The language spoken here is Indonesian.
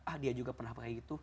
ah dia juga pernah pakai gitu